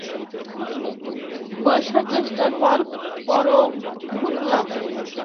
পয়সার চেষ্টায় তার পর ঘুরলাম।